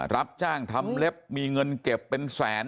รับจ้างทำเล็บมีเงินเก็บเป็นแสน